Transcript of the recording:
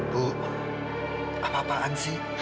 bu apa apaan sih